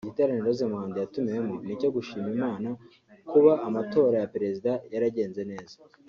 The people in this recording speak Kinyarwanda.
Igiterane Rose Muhando yatumiwemo ni icyo gushima Imana kuba amatora ya Perezida yaragenze neza